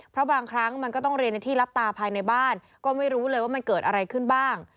เพราะบางครั้งมันก็ต้องเรียนในที่รับตาภายในบ้านก็ไม่รู้เลยว่ามันเกิดอะไรขึ้นบ้าง